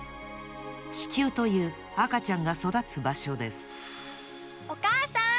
子宮という赤ちゃんがそだつばしょですおかあさん！